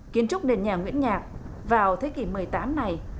kiến trúc đền nhà nguyễn nhạc vào thế kỷ một mươi tám này